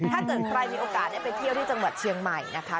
ถ้าเกิดใครมีโอกาสได้ไปเที่ยวที่จังหวัดเชียงใหม่นะคะ